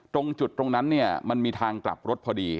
ตรงจุดตรงนั้นเนี่ยมันมีทางกลับรถพอดี